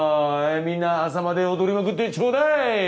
みんな朝まで踊りまくってちょうだい！